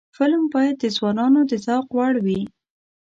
فلم باید د ځوانانو د ذوق وړ وي